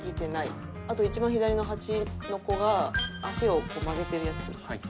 あと一番左のハチの子が足を曲げてるやつ。